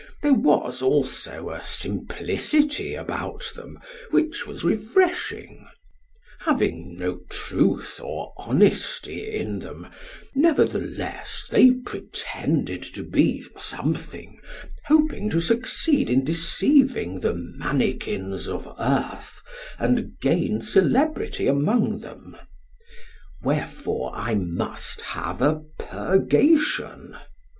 There was also a simplicity about them which was refreshing; having no truth or honesty in them, nevertheless they pretended to be something, hoping to succeed in deceiving the manikins of earth and gain celebrity among them. Wherefore I must have a purgation.